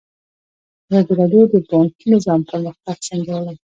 ازادي راډیو د بانکي نظام پرمختګ سنجولی.